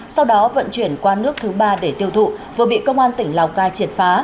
sau đó vận chuyển qua nước thứ ba để tiêu thụ vừa bị công an tỉnh lào cai triệt phá